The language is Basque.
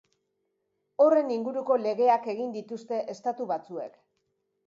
Horren inguruko legeak egin dituzte estatu batzuek.